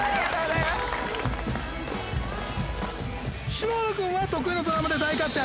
篠原君は得意のドラムで大活躍。